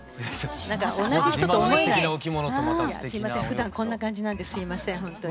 ふだんこんな感じなんですいませんほんとに。